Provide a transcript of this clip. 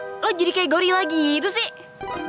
nol kok lo jadi kayak gorilla gitu sih